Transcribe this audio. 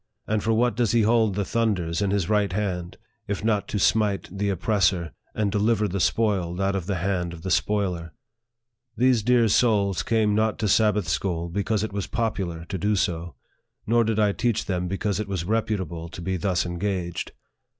and for what does he hold the thunders in his right hand, if not to smite the oppressor, and deliver the spoiled out of the hand of the spoiler ?" These dear souls came not to Sabbath school because it was popular to do so, nor did I teach them because it was reputable to be thus engaged.